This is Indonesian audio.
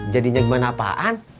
jadinya gimana apaan